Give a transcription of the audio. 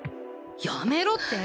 やめろって！